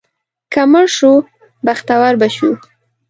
که مړه شو، بختور به شو.